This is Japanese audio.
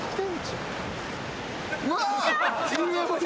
うわ！